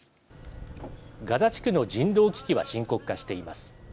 ガザ地区の人道危機は深刻化しています。